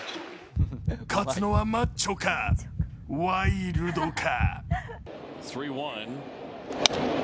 勝つのはマッチョか、ワイルドか。